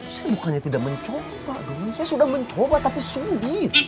saya bukannya tidak mencoba saya sudah mencoba tapi sulit